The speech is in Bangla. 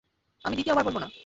আমি দ্বিতীয়বার বলবো না।